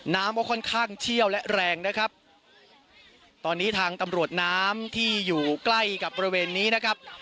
น้ำก็ค่อนข้างเชี่ยวและแรงนะครับตอนนี้ทางตำรวจน้ำที่อยู่ใกล้กับบริเวณนี้นะครับ